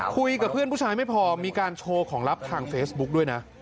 คุยกับเพื่อนผู้ชายไม่พอมีการโชว์ของลับทางเฟซบุ๊กด้วยนะ